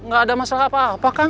gak ada masalah apa apa kang